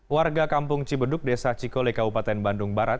warga kampung cibeduk desa cikole kabupaten bandung barat